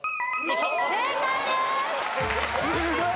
正解です。